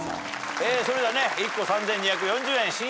それでは１個３，２４０円